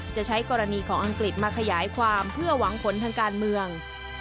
จะใช้กรณีของอังกฤษมาขยายความเพื่อหวังผลทางการเมือง